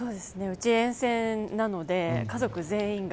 沿線なので、家族全員が。